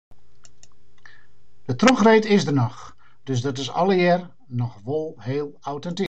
De trochreed is der ek noch, dus dat is allegear noch wol heel autentyk.